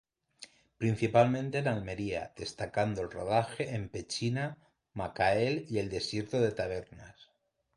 Principalmente en Almería, destacando el rodaje en Pechina, Macael y el desierto de Tabernas.